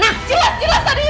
gak ada namanya putri disini